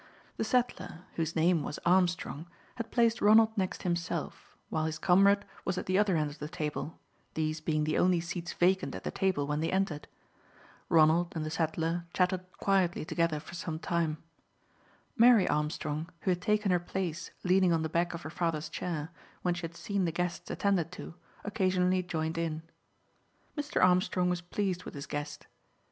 The settler, whose name was Armstrong, had placed Ronald next himself, while his comrade was at the other end of the table, these being the only seats vacant at the table when they entered. Ronald and the settler chatted quietly together for some time. Mary Armstrong, who had taken her place leaning on the back of her father's chair, when she had seen the guests attended to, occasionally joined in. Mr. Armstrong was pleased with his guest.